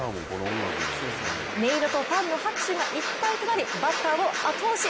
音色とファンの拍手が一体となりバッターを後押し。